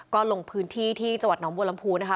ก็ลงพื้นที่ที่จังหวัดน้องบัวลำพูนะคะ